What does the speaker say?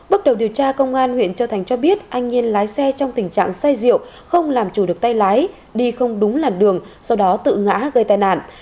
bước đầu điều tra công an huyện châu thành cho biết anh nhiên lái xe trong tình trạng say rượu không làm chủ được tay lái đi không đúng làn đường sau đó tự ngã gây tai nạn